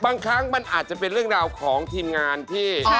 บางครั้งมันอาจจะเป็นเรื่องราวของทีมงานที่